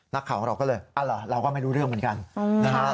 นักข่าวเราก็เลยอ้าวเหรอเราก็ไม่รู้เรื่องเหมือนกัน